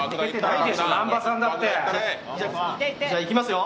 じゃいきますよ。